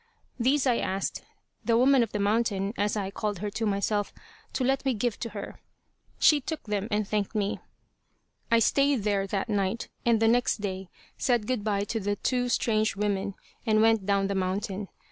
These I asked "the woman of the mountain," as I called her to myself, to let me give to her. She took them, and thanked me. I stayed there that night, and the next day said good by to the two strange women, and went down the mountain.